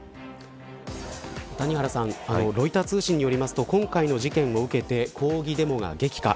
谷原さんロイター通信によりますと今回の事件を受けて抗議デモが激化。